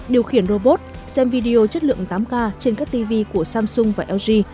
điều khiển robot xem video chất lượng tám k trên các tv của samsung và lg